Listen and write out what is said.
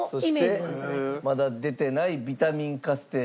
そしてまだ出てないビタミンカステーラも。